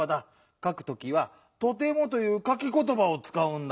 かくときは「とても」という「かきことば」をつかうんだ。